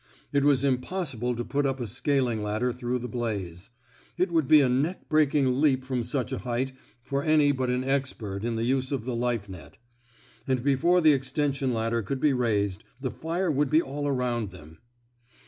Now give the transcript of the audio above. It was impossible to put up a scaling ladder through the blaze. It would be a neck breaking leap from such a height for any but an expert in the use of the life net. And before the extension ladder could be raised, the fire would be all around them.